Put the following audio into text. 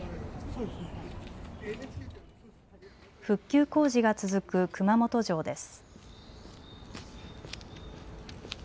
復旧工事が続く熊本城です。